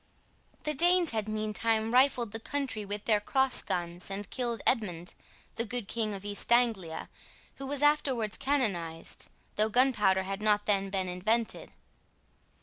The Danes had meantime rifled the country with their cross guns and killed Edmund, the good king of East Anglia, who was afterwards canonized, though gunpowder had not then been invented.